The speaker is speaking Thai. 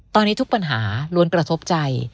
ตอนนี้ทุกปัญหาล้วนกระทบใจ